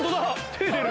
手出る！